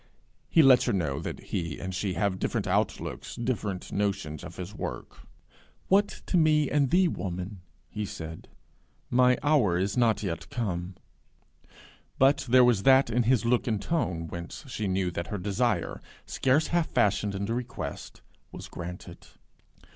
He lets her know that he and she have different outlooks, different notions of his work: 'What to me and thee, woman?' he said: 'my hour is not yet come;' but there was that in his look and tone whence she knew that her desire, scarce half fashioned into request, was granted.